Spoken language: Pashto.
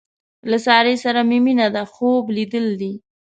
له سارې سره مې مینه دې خوب لیدل دي.